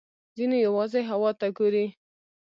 ځینې یوازې هوا ته ګوري.